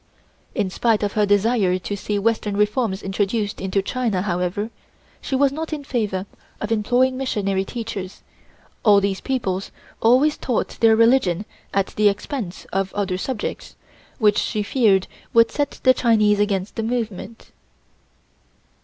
In spite of her desire to see western reforms introduced into China, however, she was not in favor of employing missionary teachers, as these people always taught their religion at the expense of other subjects, which she feared would set the Chinese against the movement.